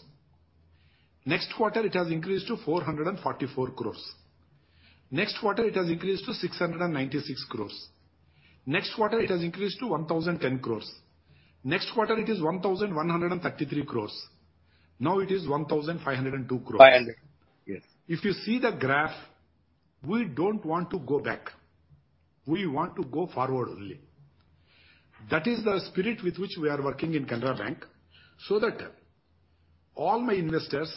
Next quarter, it has increased to 444 crores. Next quarter, it has increased to 696 crores. Next quarter, it has increased to 1,010 crores. Next quarter, it is 1,133 crores. Now it is 1,502 crores. Five, yes. If you see the graph, we don't want to go back. We want to go forward only. That is the spirit with which we are working in Canara Bank so that all my investors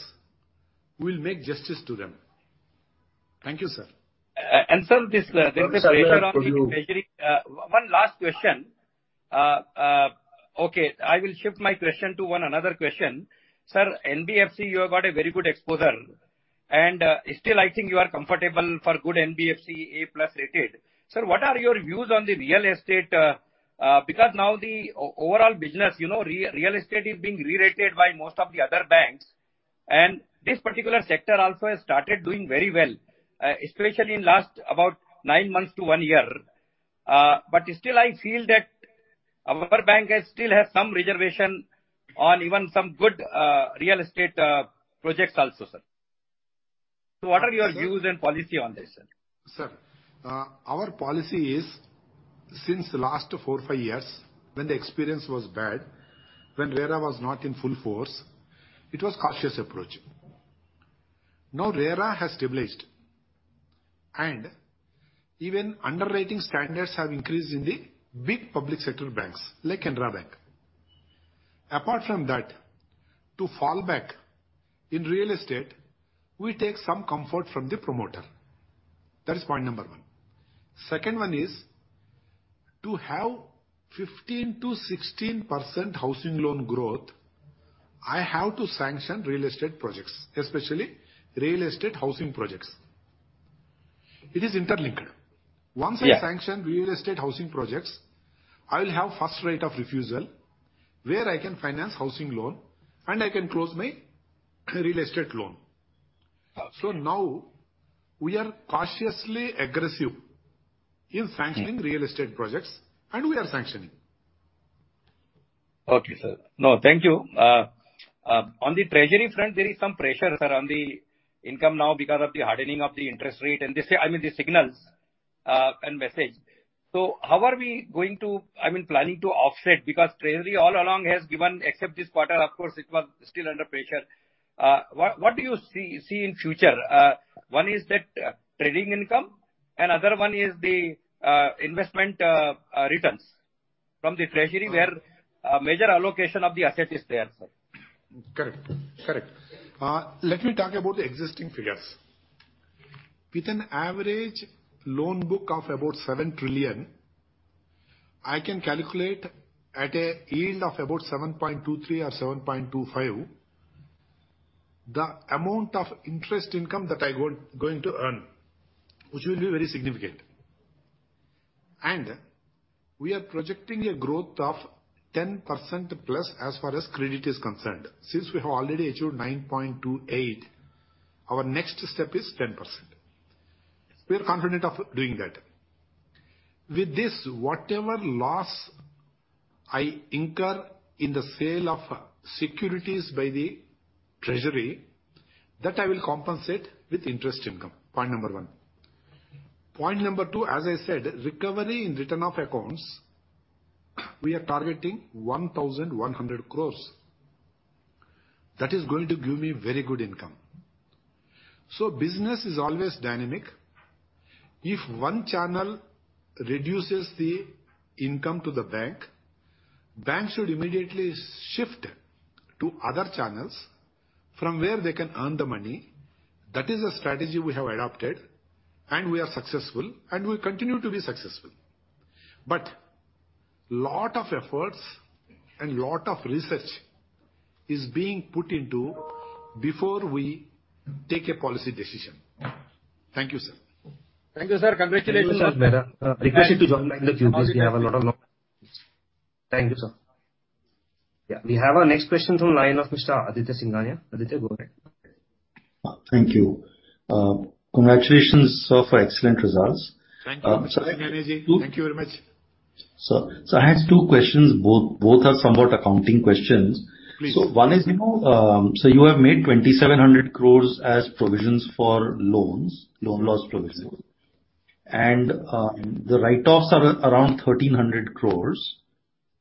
will make justice to them. Thank you, sir. Sir, this pressure on the measuring. Sir, thank you. One last question. Okay, I will shift my question to another question. Sir, NBFC, you have got a very good exposure and, still I think you are comfortable for good NBFC A+ rated. Sir, what are your views on the real estate? Because now the overall business, you know, real estate is being re-rated by most of the other banks, and this particular sector also has started doing very well, especially in last about nine months to one year. I feel that our bank has still have some reservation on even some good, real estate, projects also, sir. What are your views and policy on this, sir? Sir, our policy is since last four to five years when the experience was bad, when RERA was not in full force, it was cautious approach. Now RERA has stabilized and even underwriting standards have increased in the big public sector banks like Canara Bank. Apart from that, to fall back in real estate, we take some comfort from the promoter. That is point number one. Second one is to have 15%-16% housing loan growth, I have to sanction real estate projects, especially real estate housing projects. It is interlinked. Yeah. Once I sanction real estate housing projects, I will have first right of refusal where I can finance housing loan and I can close my real estate loan. Okay. Now we are cautiously aggressive in sanctioning real estate projects, and we are sanctioning. Okay, sir. No, thank you. On the treasury front, there is some pressure, sir, on the income now because of the hardening of the interest rate and I mean, the signals and message. How are we going to, I mean, planning to offset because treasury all along has given, except this quarter, of course, it was still under pressure. What do you see in future? One is that, trading income and other one is the investment returns from the treasury a major allocation of the asset is there, sir. Correct. Let me talk about the existing figures. With an average loan book of about 7 trillion, I can calculate at a yield of about 7.23% or 7.25% the amount of interest income that I going to earn, which will be very significant. We are projecting a growth of 10%+ as far as credit is concerned. Since we have already achieved 9.28%, our next step is 10%. We are confident of doing that. With this, whatever loss I incur in the sale of securities by the treasury, that I will compensate with interest income. Point number one. Point number two, as I said, recovery in return of accounts, we are targeting 1,100 crores. That is going to give me very good income. Business is always dynamic. If one channel reduces the income to the bank should immediately shift to other channels from where they can earn the money. That is a strategy we have adopted, and we are successful, and we continue to be successful. Lot of efforts and lot of research is being put into before we take a policy decision. Yeah. Thank you, sir. Thank you, sir. Congratulations. Thank you, sir. Request you to join the line in the future. We have a lot of— Thank you, sir. Yeah, we have our next question from line of Mr. Aditya Singhania. Aditya, go ahead. Thank you. Congratulations, sir, for excellent results. Thank you, Mr. Singhania. Thank you very much. Sir, I have two questions, both are somewhat accounting questions. Please. One is, you know, you have made 2,700 crores as provisions for loans, loan loss provisions. The write-offs are around 1,300 crores.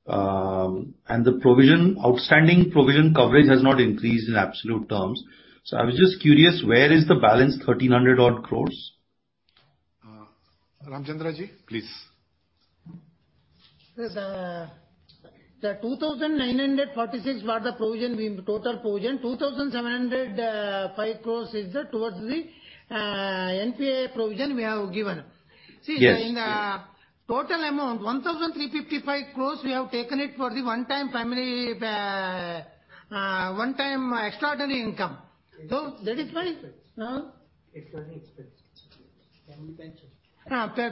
The provision, outstanding provision coverage has not increased in absolute terms. I was just curious, where is the balance thirteen hundred odd crores? Ramachandra, please. Sir, the 2,946 was the total provision. 2,705 crores is towards the NPA provision we have given. Yes. See, in the total amount, 1,355 crore, we have taken it for the one-time extraordinary income. That is why. Extra expense. Huh? Extra expense. Family pension.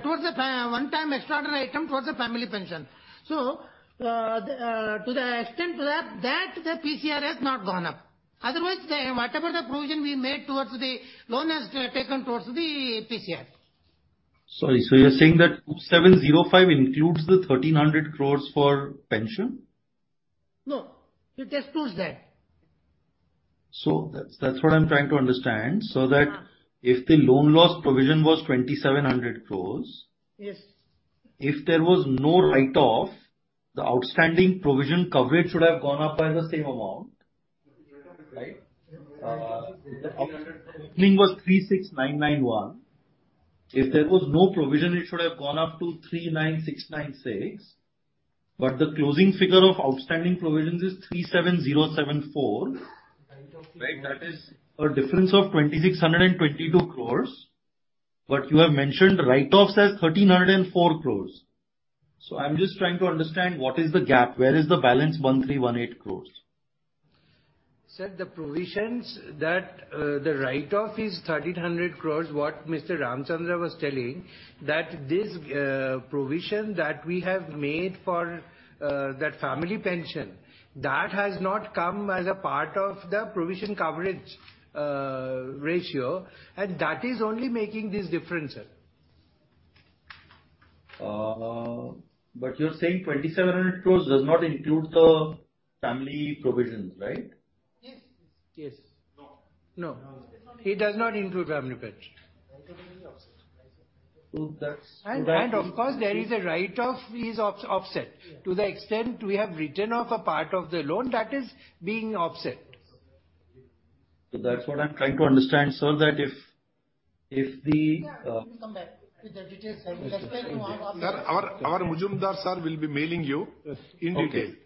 Towards the one time extraordinary item towards the family pension. To the extent that the PCR has not gone up. Otherwise, whatever the provision we made towards the loan has taken towards the PCR. Sorry. You're saying that 705 includes the 1,300 crore for pension? No. It excludes that. That's what I'm trying to understand if the loan loss provision was 2,700 crore Yes. If there was no write-off, the outstanding provision coverage should have gone up by the same amount, right? The opening was 36,991. If there was no provision, it should have gone up to 39,696. The closing figure of outstanding provisions is 37,074. Right. That is a difference of 2,622 crore. You have mentioned write-offs as 1,304 crore. I'm just trying to understand what is the gap. Where is the balance 1,318 crore? Sir, the provisions that the write-off is 1,300 crore, what Mr. Ramchandra was telling, that this provision that we have made for that family pension has not come as a part of the Provision Coverage Ratio. That is only making this difference, sir. You're saying 2,700 crore does not include the final provisions, right? Yes. No. No. It does not include family pension. So that's- Of course, there is a write-off is offset. To the extent we have written off a part of the loan, that is being offset. That's what I'm trying to understand, sir. That if the— Sir, we will come back with the details, sir. With respect to one more Sir, our Majumder sir will be mailing you in detail. Okay.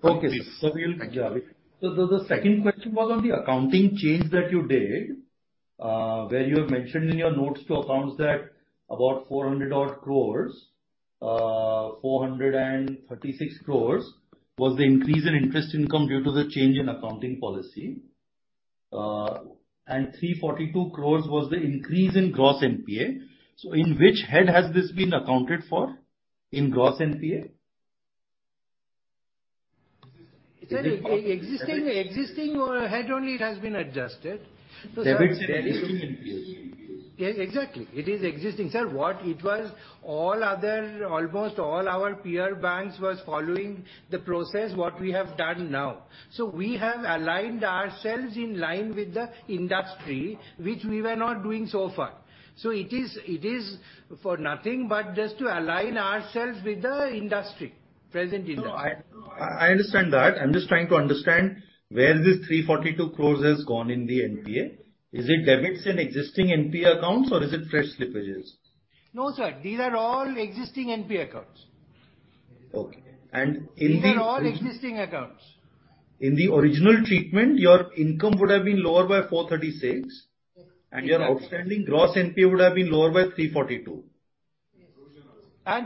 Please. Okay, sir. We'll— Thank you. The second question was on the accounting change that you did, where you have mentioned in your notes to accounts that about 400 odd crores, 436 crores was the increase in interest income due to the change in accounting policy. 342 crore was the increase in gross NPA. In which head has this been accounted for in gross NPA? Sir, existing or head only it has been adjusted. Debits and existing NPAs. Yes, exactly. It is existing. Sir, almost all our peer banks was following the process what we have done now. We have aligned ourselves in line with the industry, which we were not doing so far. It is for nothing but just to align ourselves with the industry, present industry. No, I understand that. I'm just trying to understand where this 342 crore has gone in the NPA. Is it debits in existing NP accounts or is it fresh slippages? No, sir. These are all existing NP accounts. Okay. In the- These are all existing accounts. In the original treatment, your income would have been lower by 436. Exactly. Your outstanding gross NPA would have been lower by 342.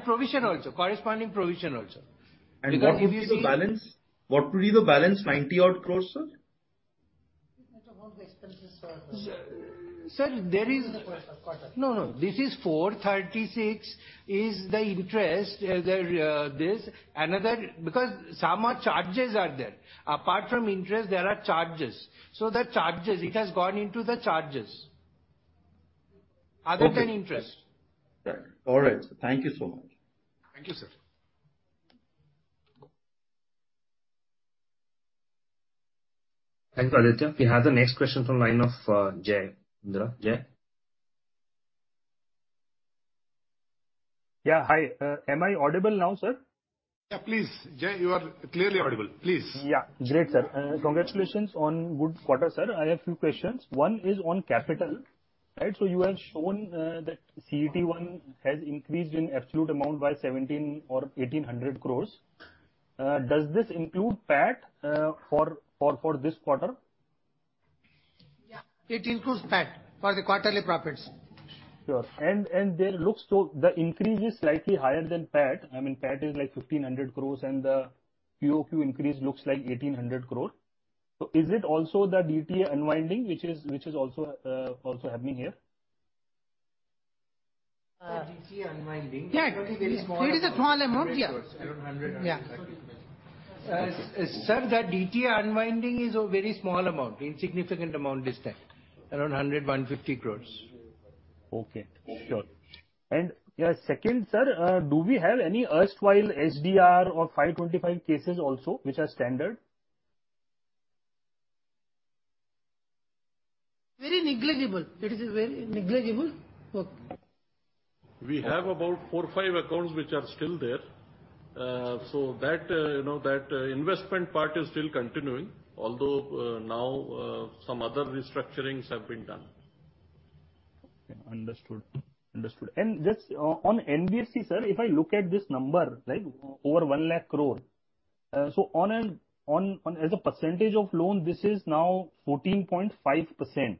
Provision also, corresponding provision also. Because if you see What would be the balance, 90-odd crore, sir? Sir, no. This is 436, the interest. Another, because some charges are there. Apart from interest, there are charges. The charges, it has gone into the charges. Okay. Other than interest. All right, sir. Thank you so much. Thank you, sir. Thank you, Aditya. We have the next question from line of, Jai Mundra. Jai? Yeah. Hi. Am I audible now, sir? Yeah, please, Jai, you are clearly audible. Please. Yeah. Great, sir. Congratulations on good quarter, sir. I have few questions. One is on capital, right? You have shown that CET1 has increased in absolute amount by 1,700 or 1,800 crore. Does this include PAT for this quarter? Yeah. It includes PAT for the quarterly profits. Sure. The increase is slightly higher than PAT. I mean, PAT is like 1,500 crore and the QOQ increase looks like 1,800 crore. Is it also the DTA unwinding, which is also happening here? DTA unwinding. Yeah. It is a small amount. Yeah. Around INR 150 crore. Yeah. Sir, the DTA unwinding is a very small amount, insignificant amount this time, around 100-150 crores. Okay. Sure. Yeah, second, sir, do we have any erstwhile SDR or 5/25 cases also, which are standard? Very negligible. It is very negligible. We have about four, five accounts which are still there. That you know, that investment part is still continuing. Although now, some other restructurings have been done. Okay. Understood. Just on NBFC, sir, if I look at this number, like over 1 lakh crore, so on as a percentage of loan, this is now 14.5%.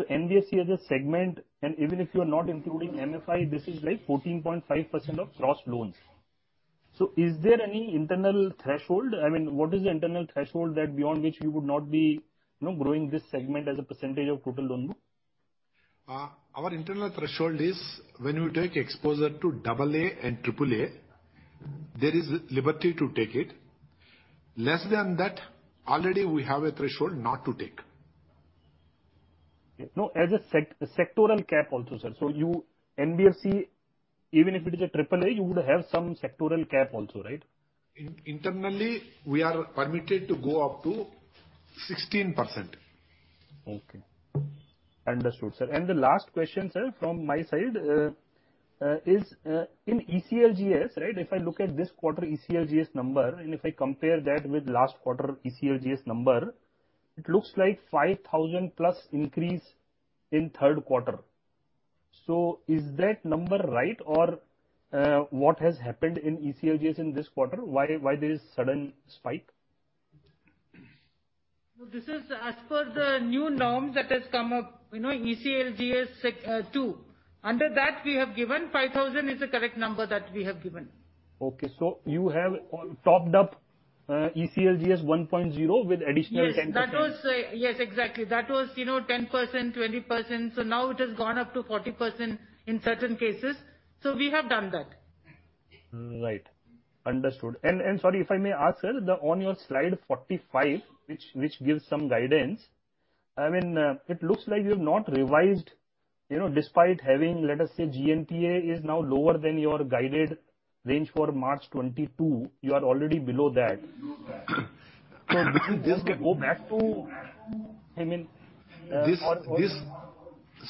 NBFC as a segment, and even if you are not including MFI, this is like 14.5% of gross loans. Is there any internal threshold? I mean, what is the internal threshold that beyond which you would not be, you know, growing this segment as a percentage of total loan? Our internal threshold is when you take exposure to double A and triple A, there is liberty to take it. Less than that, already we have a threshold not to take. No, as a sectoral cap also, sir. You, NBFC, even if it is a triple-A, you would have some sectoral cap also, right? Internally, we are permitted to go up to 16%. Okay. Understood, sir. The last question, sir, from my side, is in ECLGS, right? If I look at this quarter ECLGS number, and if I compare that with last quarter ECLGS number, it looks like 5,000 plus increase in third quarter. Is that number right? Or, what has happened in ECLGS in this quarter? Why there is sudden spike? This is as per the new norms that has come up, you know, ECLGS 2. Under that, we have given 5,000 is the correct number that we have given. Okay. You have topped up ECLGS 1.0 with additional 10%. Yes. That was yes, exactly. That was, you know, 10%, 20%. Now it has gone up to 40% in certain cases. We have done that. Right. Understood. Sorry, if I may ask, sir, the, on your slide 45, which gives some guidance, I mean, it looks like you have not revised, you know, despite having, let us say GNPA is now lower than your guided range for March 2022, you are already below that. Basically this can go back to, I mean, This,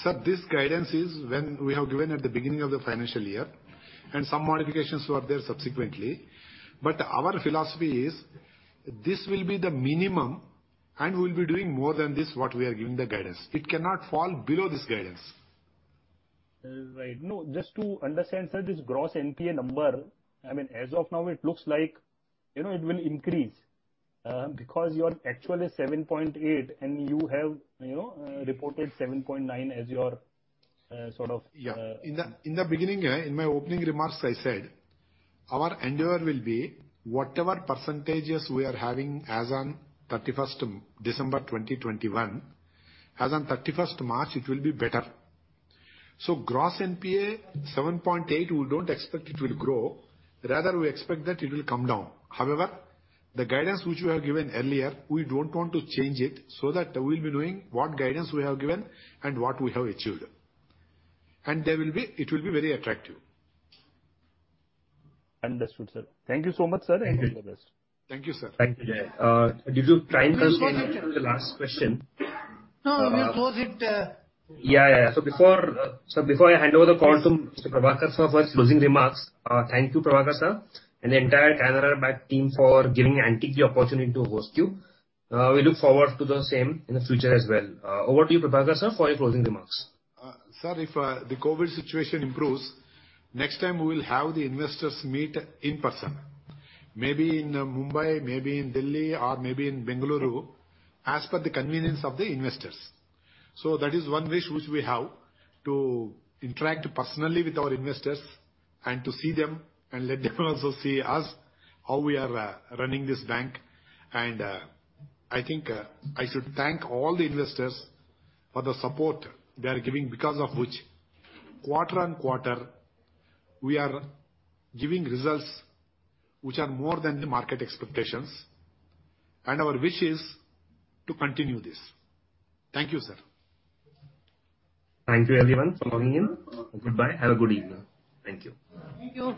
sir, this guidance is when we have given at the beginning of the financial year, and some modifications were there subsequently. Our philosophy is this will be the minimum and we'll be doing more than this what we are giving the guidance. It cannot fall below this guidance. Right. No, just to understand, sir, this gross NPA number, I mean, as of now, it looks like, you know, it will increase. Because your actual is 7.8% and you have, you know, reported 7.9% as your sort of Yeah. In the beginning, in my opening remarks I said, our endeavor will be whatever percentages we are having as on 31 December 2021, as on 31 March it will be better. Gross NPA 7.8%, we don't expect it will grow. Rather, we expect that it will come down. However, the guidance which we have given earlier, we don't want to change it so that we'll be doing what guidance we have given and what we have achieved. There will be it will be very attractive. Understood, sir. Thank you so much, sir, and all the best. Thank you, sir. Thank you, Jai. Did you try and close the last question? No, we'll close it. Yeah. Before, sir, I hand over the call to Mr. Prabhakar, sir, for his closing remarks, thank you, Prabhakar, sir, and the entire Canara Bank team for giving Antique the opportunity to host you. We look forward to the same in the future as well. Over to you, Prabhakar, sir, for your closing remarks. Sir, if the COVID situation improves, next time we will have the investors meet in person. Maybe in Mumbai, maybe in Delhi, or maybe in Bengaluru, as per the convenience of the investors. That is one wish which we have, to interact personally with our investors and to see them and let them also see us, how we are running this bank. I think I should thank all the investors for the support they are giving, because of which quarter-over-quarter we are giving results which are more than the market expectations. Our wish is to continue this. Thank you, sir. Thank you everyone for logging in. Goodbye. Have a good evening. Thank you. Thank you.